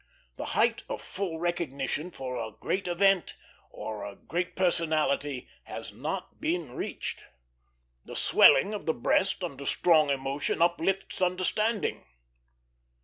The height of full recognition for a great event, or a great personality, has not been reached. The swelling of the breast under strong emotion uplifts understanding.